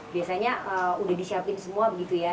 biasanya udah disiapin semua begitu ya